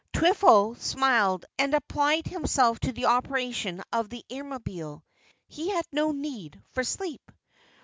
Twiffle smiled and applied himself to the operation of the Airmobile. He had no need for sleep.